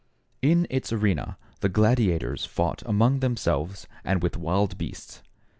In its arena, the gladiators fought among themselves and with wild beasts.